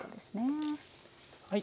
はい。